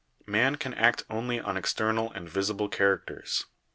Man can act only on external and visible characters.